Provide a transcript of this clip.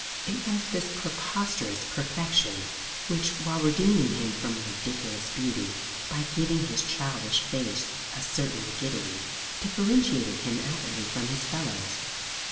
It was this preposterous perfection which, while redeeming him from ridiculous beauty by giving his childish face a certain rigidity, differentiated him outwardly from his fellows.